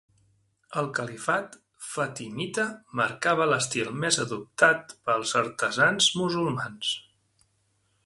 El califat fatimita marcava l'estil més adoptat pels artesans musulmans.